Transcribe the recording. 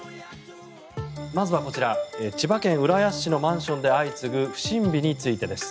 まずはこちら千葉県浦安市のマンションで相次ぐ不審火についてです。